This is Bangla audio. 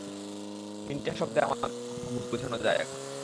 তিনটা শব্দে আমাদের অবস্থা বোঝানো যায় এখন।